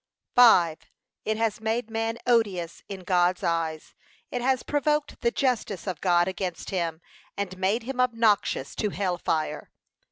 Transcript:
It has made man odious in God's eyes, it has provoked the justice of God against him, and made him obnoxious to hell fire.